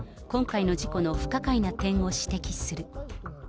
今回の事故の不可解な点を指摘する。